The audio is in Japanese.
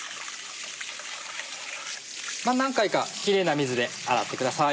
何回かキレイな水で洗ってください。